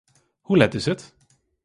Hoe let is it?